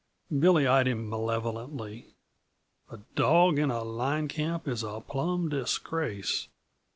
Billy eyed him malevolently. "A dog in a line camp is a plumb disgrace!